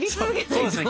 そうですね。